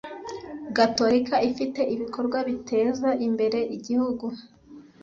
Gatorika Ifite ibikorwa biteza imbere igihugu.